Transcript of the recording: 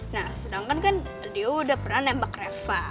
nah sedangkan kan dia udah pernah nembak reva